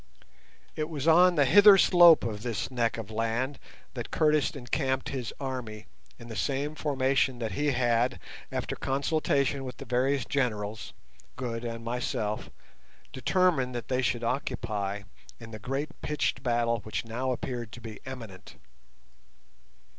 It was on the hither slope of this neck of land that Curtis encamped his army in the same formation that he had, after consultation with the various generals, Good, and myself, determined that they should occupy in the great pitched battle which now appeared to be imminent.